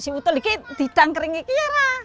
ya siutul ini di tangkering ini ya lah